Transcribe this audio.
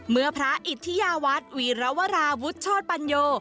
เมื่อพระอิทธิยาวัฒน์วีรวราวุฒิโชธปัญโย